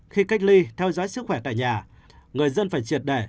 khi cách ly theo dõi sức khỏe tại nhà người dân phải triệt đẻ